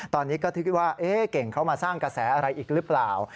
ตอนนี้ก็คิดว่าเก่งเขามาสร้างกระแสอะไรอีกหรือเปล่า